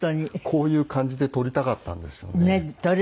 こういう感じで撮りたかったんですよね。